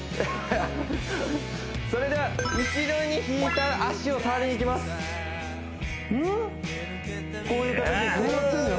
それでは後ろに引いた脚を触りにいきますうん？